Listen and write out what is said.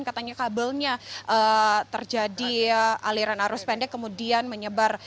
katanya kabelnya terjadi aliran arus pendek kemudian menyebar